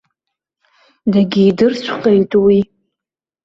Дагьидырҵәҟьеит уи.